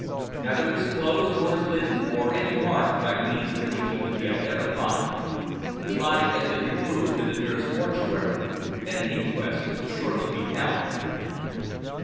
Neither his clothes nor his linen bore any mark by means of which he could be identified. The body has been removed to the nearest mortuary, and an inquest will shortly be held.